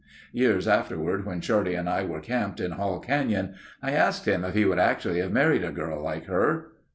Years afterward when Shorty and I were camped in Hall Canyon, I asked him if he would actually have married a girl like her.